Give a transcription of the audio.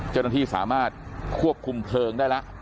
เจ้าหน้าที่สามารถควบคุมเพลิงได้แล้ว